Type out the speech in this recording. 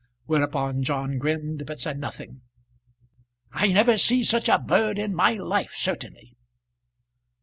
Whereupon John grinned but said nothing. "I never see such a bird in my life, certainly."